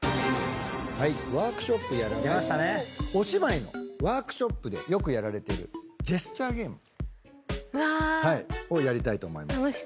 お芝居のワークショップでよくやられてるジェスチャーゲームをやりたいと思います。